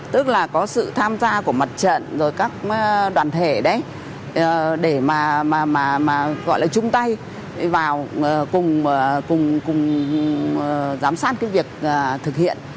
tức là có sự tham gia của mặt trận rồi các đoàn thể đấy để mà gọi là chung tay vào cùng giám sát cái việc thực hiện